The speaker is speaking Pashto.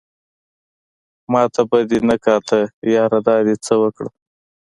ماته به دې نه کاته ياره دا دې څه اوکړه